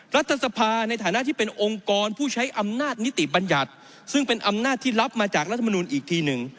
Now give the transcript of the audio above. รัฐสภาในฐานะที่เป็นองค์กรผู้ใช้อำนาจนิติบัญญัติซึ่งเป็นอำนาจที่รับมาจากรัฐมนุนอีกทีหนึ่ง